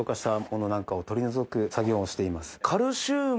作業をしています。